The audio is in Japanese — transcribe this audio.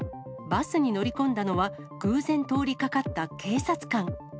バスに乗り込んだのは、偶然通りかかった警察官。